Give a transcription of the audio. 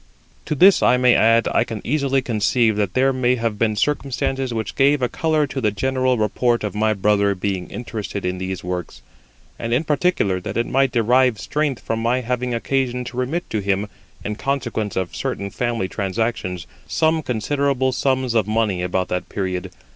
To this I may add, I can easily conceive that there may have been circumstances which gave a colour to the general report of my brother being interested in these works; and in particular that it might derive strength from my having occasion to remit to him, in consequence of certain family transactions, some considerable sums of money about that period.